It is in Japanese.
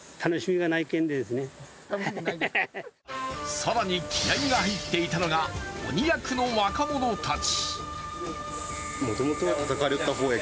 更に、気合いが入っていたのが鬼役の若者たち。